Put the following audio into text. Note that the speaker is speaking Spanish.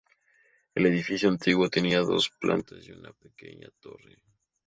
El edificio antiguo tenía dos plantas y una pequeña torre.